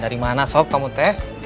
dari mana sop kamu teh